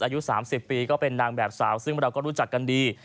อายุ๓๐ปีก็เป็นนางแบบสาวซึ่งเราก็รู้จักกันดี